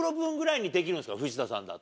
藤田さんだと。